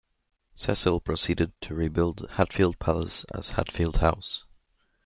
Cecil proceeded to rebuild Hatfield Palace as Hatfield House.